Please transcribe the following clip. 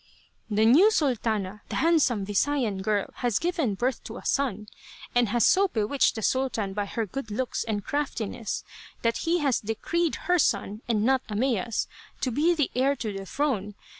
"The new Sultana, the handsome Visayan girl, has given birth to a son, and has so bewitched the Sultan by her good looks and craftiness that he has decreed her son, and not Ahmeya's, to be the heir to the throne.